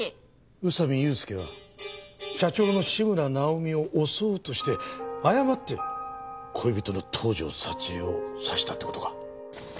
宇佐美祐介は社長の志村尚美を襲おうとして誤って恋人の東条沙知絵を刺したって事か。